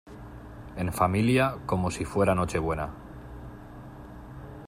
en familia, como si fuera Nochebuena.